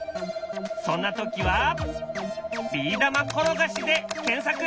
そんな時は「ビー玉ころがし」で検索！